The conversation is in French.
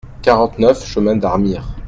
quarante-neuf chemin d'Armire